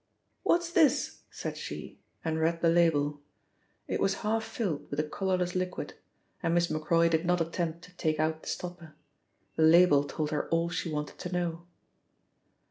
"What is this?" said she, and read the label. It was half filled with a colourless liquid, and Miss Macroy did not attempt to take out the stopper. The label told her all she wanted to know.